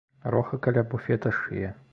Роха каля буфета шые.